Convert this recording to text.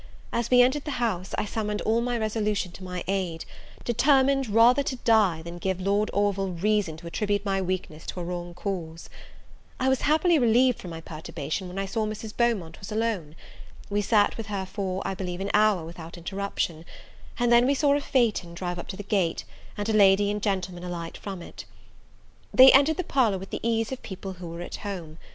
As we entered the house, I summoned all my resolution to my aid, determined rather to die than give Lord Orville reason to attribute my weakness to a wrong cause. I was happily relieved from my perturbation, when I saw Mrs. Beaumont was alone. We sat with her for, I believe, an hour without interruption; and then we saw a phaeton drive up to the gate, and a lady and gentleman alight from it. They entered the parlour with the ease of people who were at home.